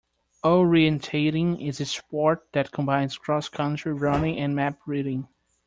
Orienteering is a sport that combines cross-country running and map reading